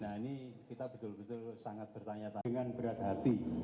nah ini kita betul betul sangat bertanya tanya berat hati